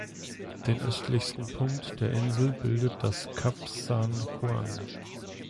Den östlichsten Punkt der Insel bildet das "Kap San Juan".